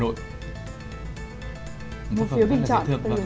một phiếu bình chọn